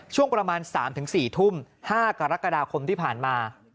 ช่วงประมาณ๓๔ทุ่ม๕กรกฎาคมที่ผ่านมา